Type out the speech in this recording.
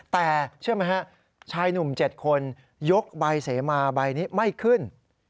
แต่เชื่อไหมฮะชายหนุ่ม๗คนยกใบเสมาใบนี้ไม่ขึ้น